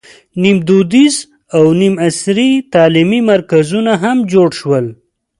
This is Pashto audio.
نیم دودیز او نیم عصري تعلیمي مرکزونه هم جوړ شول.